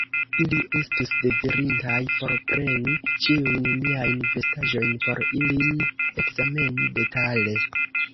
Ili estus dezirintaj forpreni ĉiujn miajn vestaĵojn, por ilin ekzameni detale.